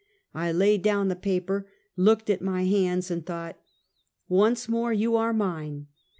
I laid down the paper, looked at my hands, and thought: " Once more you are mine.